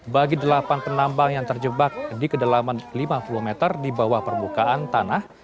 bagi delapan penambang yang terjebak di kedalaman lima puluh meter di bawah permukaan tanah